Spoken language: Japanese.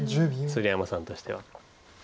鶴山さんとしては。